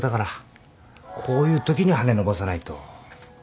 こういうときに羽伸ばさないと。